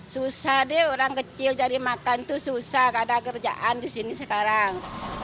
susah deh orang kecil jadi makan itu susah karena kerjaan di sini sekarang